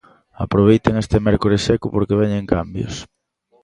Aproveiten este mércores seco porque veñen cambios.